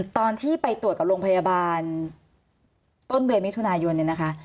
ตอนที่ไปตรวจกับโรงพยาบาลต้นเดือนมิถุนายนเนี่ยนะคะ